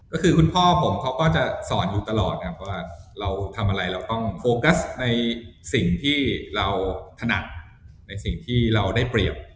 ก็คือคุณพ่อผมเขาก็จะสอนอยู่ตลอดนะครับว่าเราทำอะไรเราต้องโฟกัสในสิ่งที่เราถนัดในสิ่งที่เราได้เปรียบ